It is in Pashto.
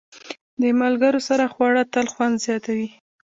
د ملګرو سره خواړه تل خوند زیاتوي.